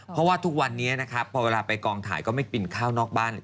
เพราะว่าทุกวันนี้นะครับพอเวลาไปกองถ่ายก็ไม่กินข้าวนอกบ้านเลย